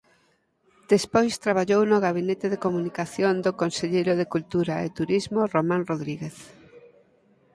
Despois traballou no gabinete de comunicación do conselleiro de Cultura e Turismo Román Rodríguez.